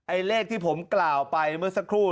เลขที่ผมกล่าวไปเมื่อสักครู่